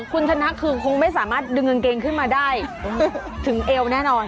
คุณชนะคือคงไม่สามารถดึงกางเกงขึ้นมาได้ถึงเอวแน่นอน